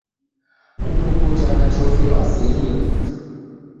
Kuputa na chofi wasighie putu.